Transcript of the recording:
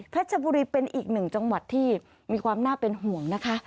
ชบุรีเป็นอีกหนึ่งจังหวัดที่มีความน่าเป็นห่วงนะคะ